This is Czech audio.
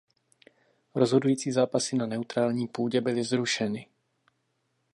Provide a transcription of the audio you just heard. Rozhodující zápasy na neutrální půdě byly zrušeny.